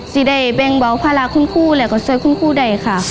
สิได้แบงก์บอกภาระคุณผู้และก็เสิร์ฟคุณผู้ใดค่ะ